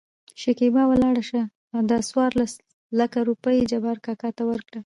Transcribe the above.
شکېبا : ولاړ شه دا څورلس لکه روپۍ جبار کاکا ته ورکړه.